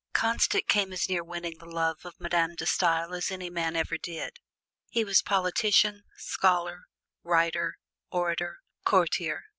Constant came as near winning the love of Madame De Stael as any man ever did. He was politician, scholar, writer, orator, courtier.